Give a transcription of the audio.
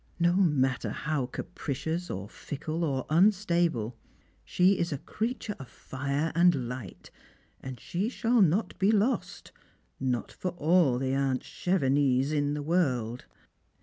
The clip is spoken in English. " No matter how capricious, or fickle, or unstable. She is a creature of fire aud light, and she shall not be lost, not for all the aunt Chevenixes in the world."